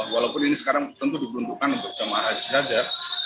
walaupun ini sekarang tentu diperuntukkan untuk jemaah haji saja